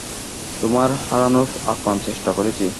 তোমায় হারানোর আপ্রাণ চেষ্টা করেছি।